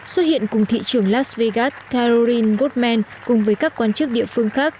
xuất hiện cùng thị trường las vegas caroline woodman cùng với các quan chức địa phương khác